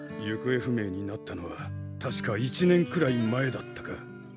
ゆくえ不明になったのは確か１年くらい前だったか。